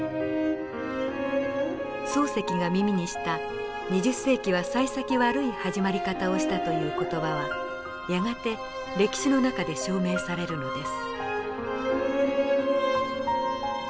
漱石が耳にした「２０世紀はさい先悪い始まり方をした」という言葉はやがて歴史の中で証明されるのです。